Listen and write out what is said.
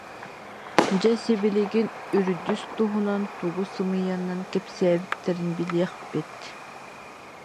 Дьэ сибилигин урдус туһунан тугу сымыйанан кэпсээбиттэрин билиэхпит